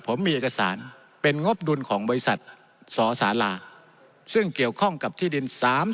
ผมมีเอกสารเป็นงบดุลของบริษัทสสาราซึ่งเกี่ยวข้องกับที่ดิน๓๐